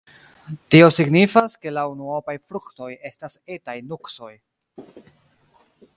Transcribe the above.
Tio signifas, ke la unuopaj fruktoj estas etaj nuksoj.